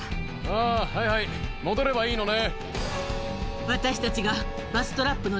あぁはいはい戻ればいいのね。